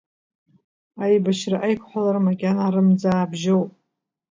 Аибашьра аиқәҳәалара макьана арымӡаа бжьоуп!